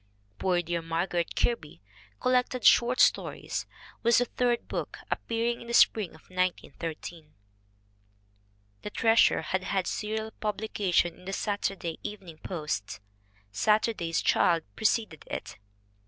Poor Dear Margaret Kirby, collected short stories, was the third book, appearing in the spring of 1913. The Treasure had had serial publication in the Saturday Evening Post. Saturday's Child preceded it.